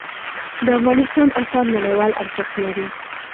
د افغانستان آثار نړیوال ارزښت لري.